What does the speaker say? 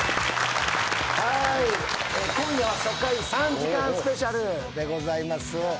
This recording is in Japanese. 今夜は初回３時間スペシャルでございます。